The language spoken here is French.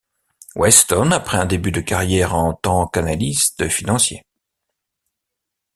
Weston après un début de carrière en tant qu’analyste financier.